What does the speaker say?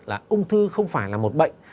là ung thư không phải là một bệnh